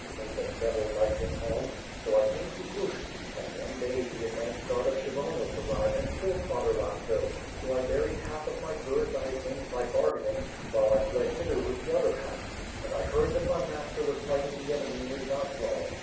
.. May the devil light him home! So I came to Hushch, and, one day, the advance guard of Kshy vonos arrived and killed Father Lasko, so I buried half of my goods I had gained by bargaining, while I fled hither with the other half; as I heard that my master was fighting the enemy near Zaslav.